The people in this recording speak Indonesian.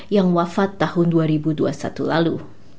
yang wafat tahun dua ribu dua puluh satu lalu